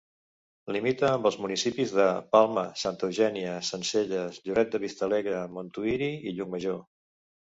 Limita amb els municipis de Palma, Santa Eugènia, Sencelles, Lloret de Vistalegre, Montuïri i Llucmajor.